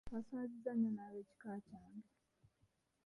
Wanswazizza nnyo n'ab'ekika kyange.